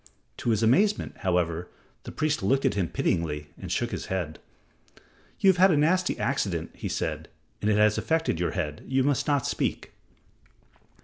To his amazement, however, the priest looked at him pityingly and shook his head. "You have had a nasty accident," he said, "and it has affected your head. You must not speak."